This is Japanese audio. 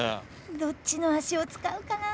どっちの足を使うかな？